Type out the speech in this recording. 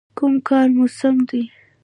_کوم کار مو سم دی؟